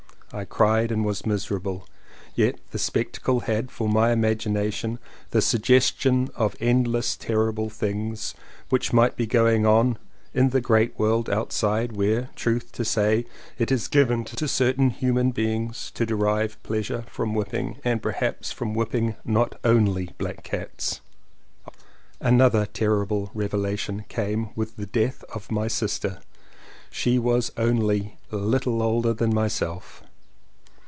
I cried and was miserable, yet the spectacle had for my imagination the suggestion of endless terri ble things which might be going on in the great world outside where truth to say it is given to certain human beings to derive pleasure from whipping — and perhaps from whipping not only black cats. Another terrible revelation came with the death of my sister. She was only a little older than myself.